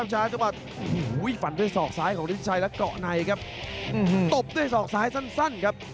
ช้างจังหวัดฝันด้วยศอกซ้ายของฤทธิชัยและเกาะในครับตบด้วยศอกซ้ายสั้นครับ